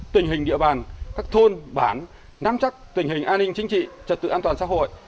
tình hình địa bàn các thôn bản nắm chắc tình hình an ninh chính trị trật tự an toàn xã hội